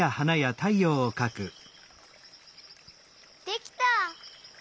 できた！